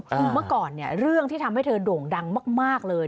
คือเมื่อก่อนเนี่ยเรื่องที่ทำให้เธอโด่งดังมากเลย